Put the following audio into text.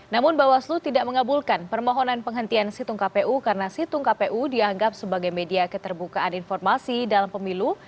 namun bawaslu tidak mengabulkan permohonan penghentian situng kpu karena situng kpu dianggap sebagai media keterbukaan informasi dalam pemilu